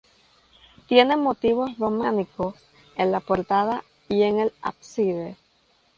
Tiene motivos románicos en la portada y en el ábside.